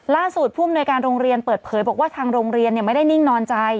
ผู้อำนวยการโรงเรียนเปิดเผยบอกว่าทางโรงเรียนไม่ได้นิ่งนอนใจ